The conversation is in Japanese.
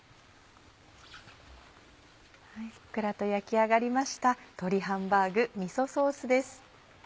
ふっくらと焼き上がりました鶏ハンバーグみそソースです。